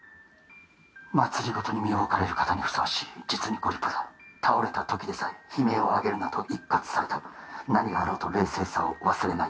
政に身を置かれる方にふさわしい実にご立派だ倒れた時でさえ悲鳴をあげるなと一喝された何があろうと冷静さを忘れない